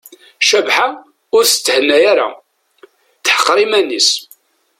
Cabḥa ur tettthenna ara, teḥqer iman-is.